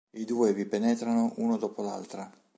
I due vi penetrano uno dopo l'altra.